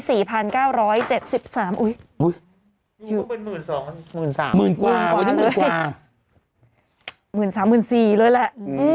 อุ๊ยนี่ก็เป็นหมื่นสองหมื่นสามกว่าเลยหมื่นสามหมื่นสี่เลยแหละ